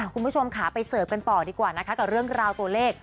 คุณผู้ชมค่ะไปเสิร์ฟกันต่อดีกว่านะคะกับเรื่องราวตัวเลข